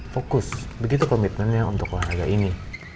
fokus begitu komitmennya untuk olahraga ini